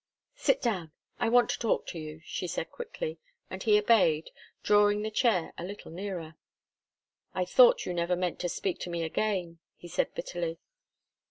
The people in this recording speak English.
"Sit down. I want to talk to you," she said quickly, and he obeyed, drawing the chair a little nearer. "I thought you never meant to speak to me again," he said bitterly.